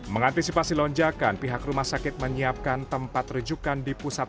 mengantisipasi lonjakan pihak rumah sakit menyiapkan tempat rujukan di pusat